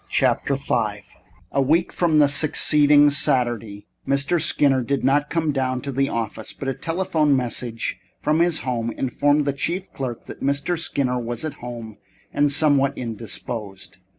V A week from the succeeding Saturday, Mr. Skinner did not come down to the office, but a telephone message from his home informed the chief clerk that Mr. Skinner was at home and somewhat indisposed.